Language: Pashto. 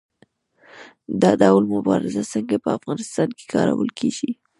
دا ډول مبارزه څنګه په افغانستان کې کارول کیږي؟